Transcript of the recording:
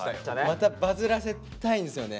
またバズらせたいんですよね。